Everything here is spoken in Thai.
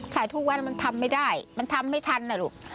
ขายทุกวันมันทำไม่ได้มันทำไม่ทันนะลูก